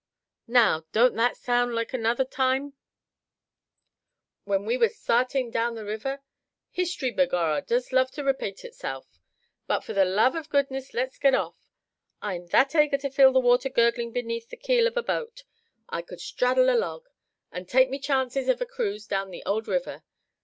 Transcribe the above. now, don't that sound loike another time when we was sthartin' down the river. History, begorra, does love to repate itsilf. But for the love av goodness lit's get off. I'm that ager to feel the water gurgling underneath the keel av a boat, I could straddle a log, and take me chances av a cruise down the ould river.